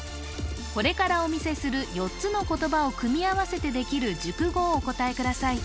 これからお見せする４つの言葉を組み合わせてできる熟語をお答えください